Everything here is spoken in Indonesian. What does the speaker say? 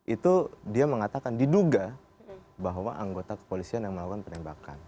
itu dia mengatakan diduga bahwa anggota kepolisian yang melakukan penembakan